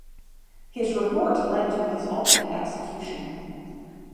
His report led to his ultimate execution.